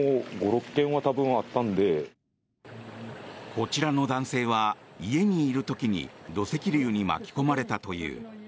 こちらの男性は、家にいる時に土石流に巻き込まれたという。